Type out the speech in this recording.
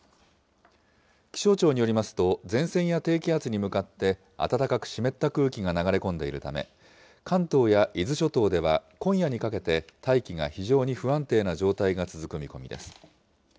気象庁によりますと、前線や低気圧に向かって暖かく湿った空気が流れ込んでいるため、関東や伊豆諸島では今夜にかけて大気が非常に不安定な状態が続く見込みです。